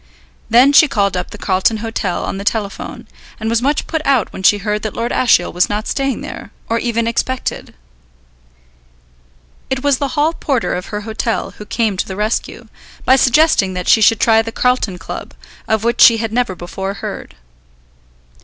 Then she called up the Carlton Hotel on the telephone, and was much put out when she heard that Lord Ashiel was not staying there, or even expected. It was the hall porter of her hotel who came to the rescue, by suggesting that she should try the Carlton Club, of which she had never before heard.